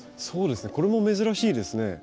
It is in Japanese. そうですねこれも珍しいですね。